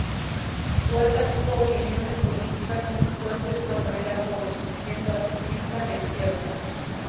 Huerta tuvo opiniones políticas muy fuertes cuando era joven, siendo activista de izquierda.